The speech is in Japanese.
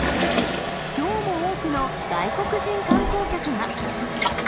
きょうも多くの外国人観光客が。